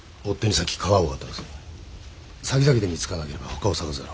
さきざきで見つからなければほかを捜せろ。